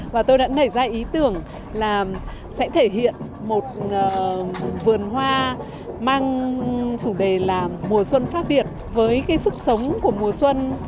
và tôi đã nảy ra ý tưởng là sẽ thể hiện một vườn hoa mang chủ đề là mùa xuân pháp việt với cái sức sống của mùa xuân